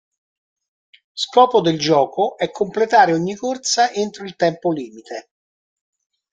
Scopo del gioco è completare ogni corsa entro il tempo limite.